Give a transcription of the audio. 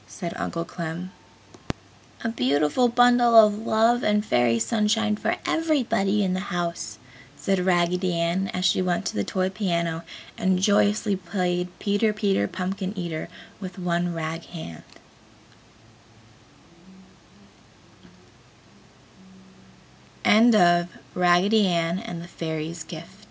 said Uncle Clem. "A beautiful bundle of love and Fairy Sunshine for everybody in the house!" said Raggedy Ann, as she went to the toy piano and joyously played "Peter Peter Pumpkin Eater" with one rag